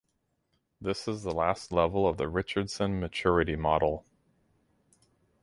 This is the last level of the Richardson Maturity Model.